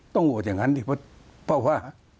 โหวตอย่างนั้นเพราะว่า